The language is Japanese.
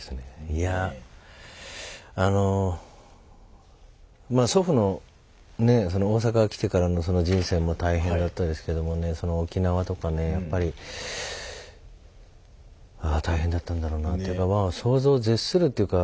いやあのまあ祖父のねその大阪来てからのその人生も大変だったですけどもねその沖縄とかねやっぱりああ大変だったんだろうなというかまあ想像を絶するというか。